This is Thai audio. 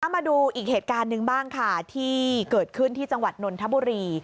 มาดูอีกเหตุการณ์หนึ่งบ้างค่ะที่เกิดขึ้นที่จังหวัดนนทบุรี